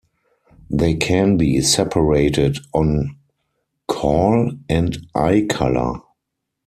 They can be separated on call and eye colour.